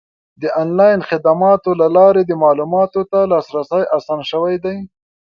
د آنلاین خدماتو له لارې د معلوماتو ته لاسرسی اسان شوی دی.